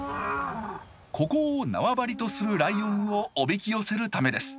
ここを縄張りとするライオンをおびき寄せるためです。